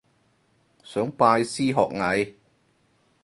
想拜師學藝